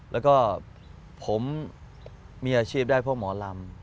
แล้วก็ผมมีอาชีพได้เพราะหมอลำ